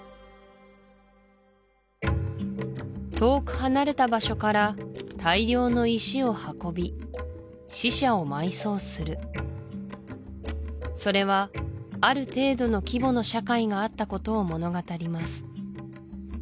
遠く離れた場所から大量の石を運び死者を埋葬するそれはある程度の規模の社会があったことを物語ります